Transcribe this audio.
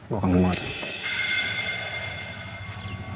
gue akan memohon